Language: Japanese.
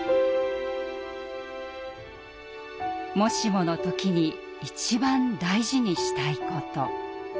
“もしも”の時に一番大事にしたいこと。